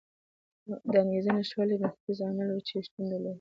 د انګېزې نشتوالی بنسټیز عامل و چې شتون درلود.